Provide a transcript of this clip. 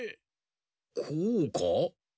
こうか？